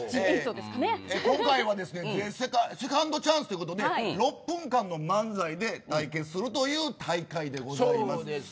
今回はセカンドチャンスということで６分間の漫才で対決するという大会でございます。